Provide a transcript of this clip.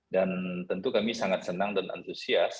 dan tentu kami sangat senang dan antusias